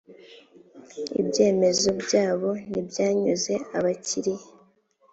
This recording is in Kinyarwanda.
ibyemezo byabo ntibyanyuze abakiriya.